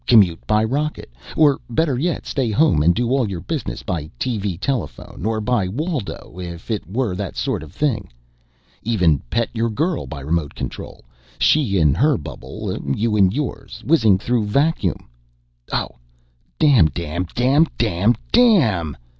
Commute by rocket or better yet stay home and do all your business by TV telephone, or by waldo if it were that sort of thing. Even pet your girl by remote control she in her bubble, you in yours, whizzing through vacuum. Oh, damn damn damn damn DAMN!"